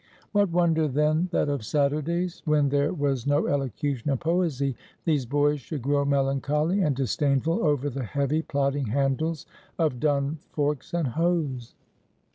What wonder, then, that of Saturdays, when there was no elocution and poesy, these boys should grow melancholy and disdainful over the heavy, plodding handles of dung forks and hoes?